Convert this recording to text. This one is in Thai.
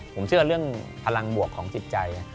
ผมเชื่อเรื่องพลังบวกของจิตใจ